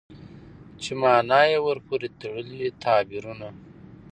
چې مانا يې ورپورې تړلي تعبيرونه